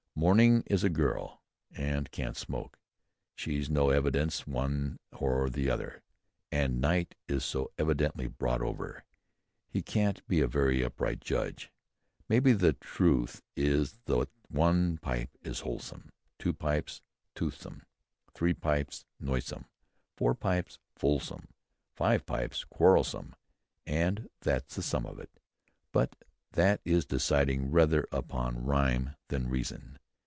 Morning is a girl, and can't smoke she's no evidence one way or the other; and Night is so evidently bought over, he can't be a very upright judge. Maybe the truth is that one pipe is wholesome, two pipes toothsome, three pipes noisome, four pipes fulsome, five pipes quarrelsome, and that's the sum on't. But that is deciding rather upon rhyme than reason....